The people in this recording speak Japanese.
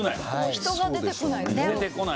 人が出てこない。